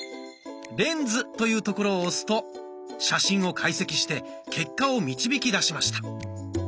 「レンズ」というところを押すと写真を解析して結果を導きだしました。